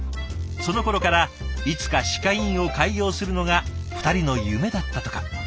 そのころからいつか歯科医院を開業するのが２人の夢だったとか。